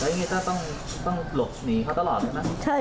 แล้วยังงี้ต้องต้องหลบหนีเขาตลอดใช่ไหม